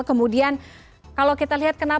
kemudian kalau kita lihat kenapa